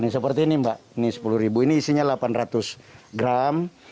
seperti ini mbak ini sepuluh ribu ini isinya delapan ratus gram